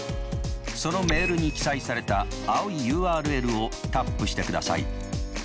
そのメールに記載された青いＵＲＬをタップしてください。